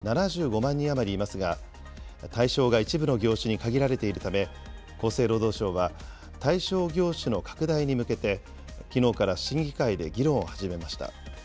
２０２１年度末時点で、この制度に加入しているフリーランスは７５万人余りいますが、対象が一部の業種に限られているため、厚生労働省は、対象業種の拡大に向けて、きのうから審議会で議論を始めました。